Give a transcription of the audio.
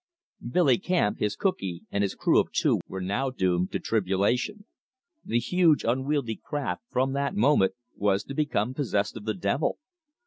Billy Camp, his cookee, and his crew of two were now doomed to tribulation. The huge, unwieldy craft from that moment was to become possessed of the devil.